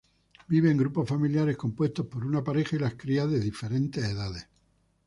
Vive en grupos familiares compuestos por una pareja y las crías de diferentes edades.